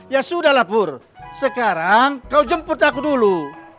ya sudah lah pur sekarang kau jemput aku dulu